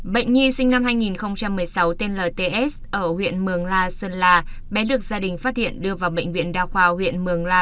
bệnh nhi sinh năm hai nghìn một mươi sáu tên lts ở huyện mường la sơn la bé được gia đình phát hiện đưa vào bệnh viện đa khoa huyện mường la